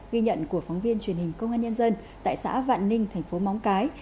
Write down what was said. ghi nhận của phóng viên truyền hình công an nhân dân tại xã vạn ninh thành phố móng cái